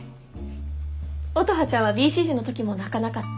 乙葉ちゃんはＢＣＧの時も泣かなかったんですか？